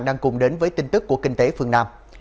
đang cùng đến với tin tức của kinh tế phương nam